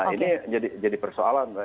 ini jadi persoalan